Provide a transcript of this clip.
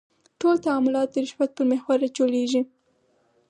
ټول تعاملات د رشوت پر محور راچولېږي.